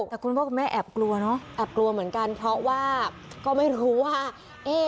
แต่คุณพ่อคุณแม่แอบกลัวเนอะแอบกลัวเหมือนกันเพราะว่าก็ไม่รู้ว่า